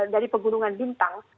dari pegunungan bintang